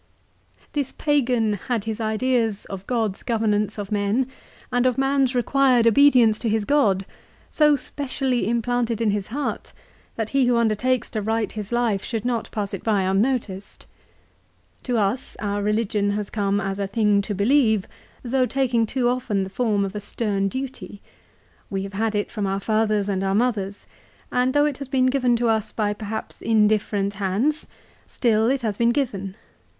This pagan had his ideas of God's governance of men, and of man's required obedience to his God, so specially implanted in his heart that he who undertakes to write his life should not pass it by unnoticed. To us our religion has come as a thing to believe, though taking too often the form of a stern duty. We have had it from our fathers and our mothers; and though it has been given to us by perhaps indifferent hands, still it has been given.